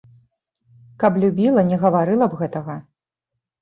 Каб любіла, не гаварыла б гэтага.